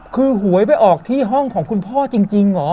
คือหวยไปออกที่ห้องของคุณพ่อจริงเหรอ